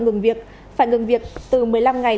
ngừng việc phải ngừng việc từ một mươi năm ngày